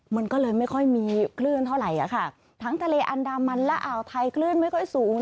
มันก็เลยไม่ค่อยมีคลื่นเท่าไหร่อ่ะค่ะทั้งทะเลอันดามันและอ่าวไทยคลื่นไม่ค่อยสูง